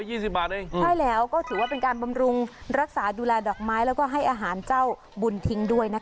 ใช่แล้วก็ถือว่าเป็นการบำรุงรักษาดูแลดอกไม้แล้วก็ให้อาหารเจ้าบุญทิ้งด้วยนะคะ